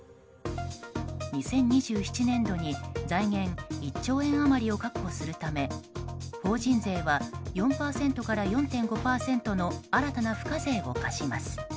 ２０２７年度に財源１兆円余りを確保するため法人税は４％から４．５％の新たな付加税を課します。